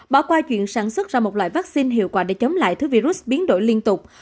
bỏ qua chuyện sản xuất ra một loại vaccine hiệu quả để chống lại thứ virus biến đổi liên tục